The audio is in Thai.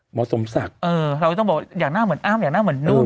หมอสมศักดิ์อยากน่าเหมือนอ้าวอยากเหมือนนุ่ม